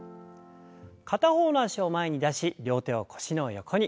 片方の脚を前に出し両手を腰の横に。